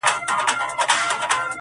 • چي وو به نرم د مور تر غېږي -